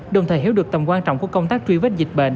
đồng thời hiểu được tầm quan trọng của công tác truy vết dịch bệnh